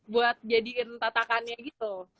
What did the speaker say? buat jadiin tatakannya gitu